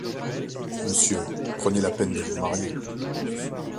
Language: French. Monsieur, prenez la peine de vous marier.